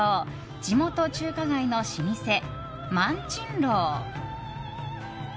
地元中華街の老舗、萬珍樓。